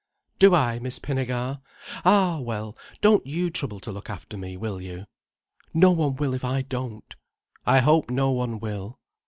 "Do I, Miss Pinnegar! Ah, well, don't you trouble to look after me, will you?" "No one will if I don't." "I hope no one will."